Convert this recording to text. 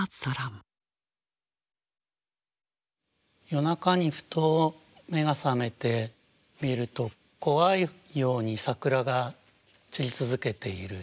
夜中にふと目が覚めて見ると怖いように桜が散り続けている。